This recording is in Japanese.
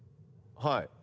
はい。